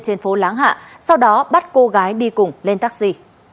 trên phố láng hạ sau đó bắt cô gái đi cùng lên taxi